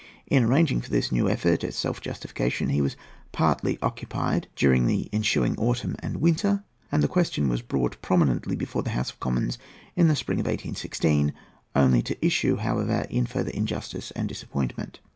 In arranging for this new effort at self justification, he was partly occupied during the ensuing autumn and winter, and the question was brought prominently before the House of Commons in the spring of 1816; only to issue, however, in further injustice and disappointment.